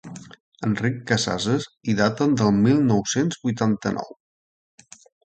Enric Casasses i daten del mil nou-cents vuitanta-nou.